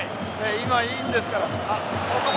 今いいんですから。